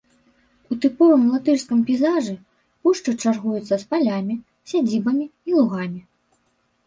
У тыповым латышскім пейзажы, пушчы чаргуецца з палямі, сядзібамі і лугамі.